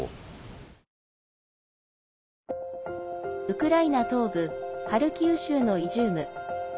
ウクライナ東部ハルキウ州のイジューム。